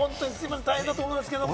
大変だと思いますけれど。